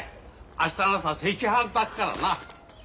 明日の朝赤飯炊くからな。